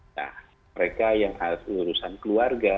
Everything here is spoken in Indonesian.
nah mereka yang urusan keluarga